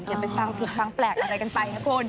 อย่าไปฟังผิดฟังแปลกอะไรกันไปนะคุณ